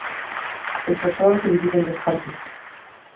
El tratado se divide en dos partes.